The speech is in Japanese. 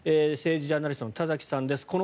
政治ジャーナリストの田崎さんです